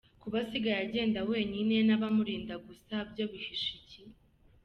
Kuba asigaye agenda wenyine n’abamurinda gusa byo bihishe iki?